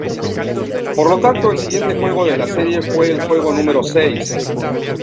Por lo tanto, el siguiente juego de la serie fue el juego número seis.